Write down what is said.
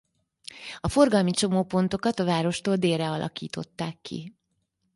A forgalmi csomópontokat a várostól délre alakították ki.